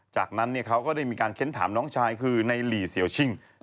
จากนั้นเขาก็ได้มีการเค้นถามน้องชายคือในหลีเสียวชิ่ง